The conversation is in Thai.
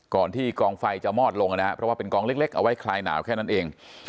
ก่อนที่กองไฟจะมอดลงเลยนะเป็นกองเล็กเอาไว้คลายหนาวแค่นั้นเอง